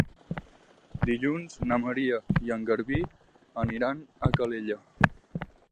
Dilluns na Maria i en Garbí aniran a Calella.